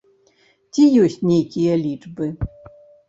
Ці ёсць нейкія лічбы?